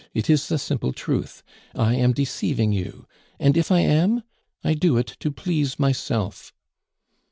It is the simple truth. I am deceiving you. And if I am? I do it to please myself."